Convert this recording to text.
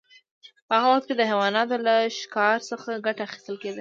په هغه وخت کې د حیواناتو له ښکار څخه ګټه اخیستل کیده.